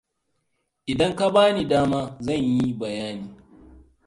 Idan ka bani dama zan yi bayani.